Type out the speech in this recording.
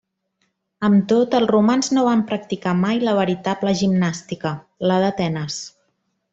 Amb tot, els romans no van practicar mai la veritable gimnàstica, la d'Atenes.